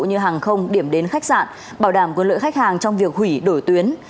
như hàng không điểm đến khách sạn bảo đảm quyền lợi khách hàng trong việc hủy đổi tuyến